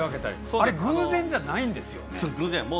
あれ偶然じゃないんですよね。